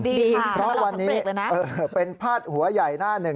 เพราะวันนี้เป็นพาดหัวใหญ่หน้าหนึ่ง